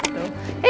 kok jalannya gitu